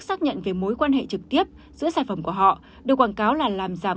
xác nhận về mối quan hệ trực tiếp giữa sản phẩm của họ được quảng cáo là làm giảm